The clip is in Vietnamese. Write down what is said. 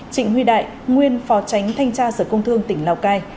trịnh huy đại nguyên phó tránh thanh tra sở công thương tỉnh lào cai